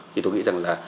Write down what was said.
thì tôi nghĩ rằng là